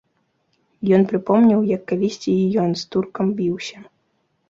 Ён прыпомніў, як калісьці і ён з туркам біўся.